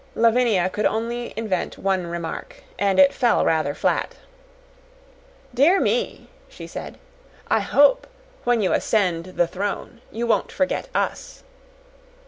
Lavinia could only invent one remark, and it fell rather flat. "Dear me," she said, "I hope, when you ascend the throne, you won't forget us!"